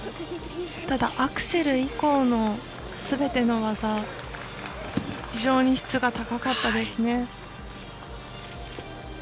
ただアクセル以降のすべての技非常に質が高かったです。